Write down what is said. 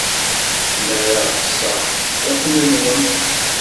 Ma ɣseɣ, ad ken-nɣen.